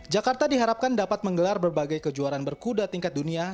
jakarta diharapkan dapat menggelar berbagai kejuaraan berkuda tingkat dunia